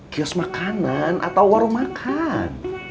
kios makanan atau warung makan